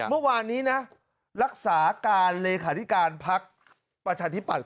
เมื่อวานนี้นะรักษาการเลขาธิการพักประชาธิปัตย